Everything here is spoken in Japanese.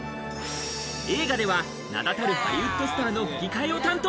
映画では名だたるハリウッドスターの吹き替えを担当。